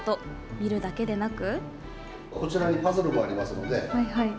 見るだけでなく。